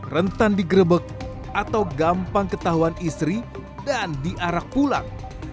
rentan digrebek atau gampang ketahuan istri dan diarak pulang